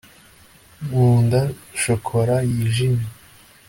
nkunda shokora yijimye